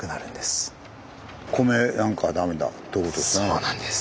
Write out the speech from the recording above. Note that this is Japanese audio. そうなんです。